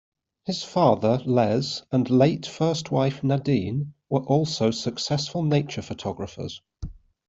His father, Les, and late first wife, Nadine, were also successful nature photographers.